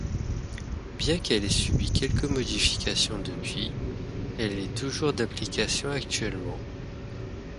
Bien qu’elle ait subi quelques modifications depuis, elle est toujours d’application actuellement.